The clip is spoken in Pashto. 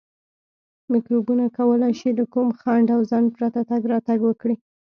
میکروبونه کولای شي له کوم خنډ او ځنډ پرته تګ راتګ وکړي.